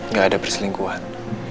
gak ada perselingkuhan